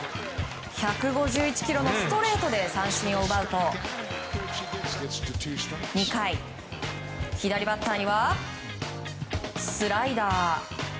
１５１キロのストレートで三振を奪うと２回、左バッターにはスライダー。